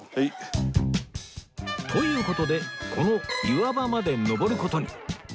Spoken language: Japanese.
という事でこの岩場まで登る事に